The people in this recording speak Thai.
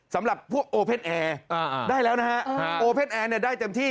สำหรับพวกโอเพศแอร์ได้แล้วนะฮะโอเพศแอร์เนี่ยได้เต็มที่